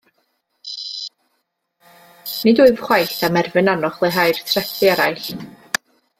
Nid wyf chwaith am erfyn arnoch leihau'r trethi eraill.